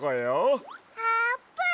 あーぷん！